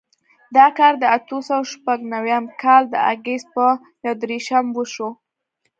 دا کار د اتو سوو شپږ نوېم کال د اګست په یودېرشم وشو.